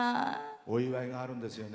お祝いがあるんですよね